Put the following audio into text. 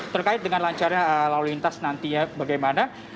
terkait dengan lancarnya lalu lintas nantinya bagaimana